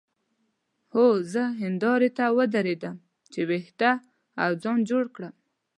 هو زه هندارې ته ودرېدم چې وېښته او ځان جوړ کړم.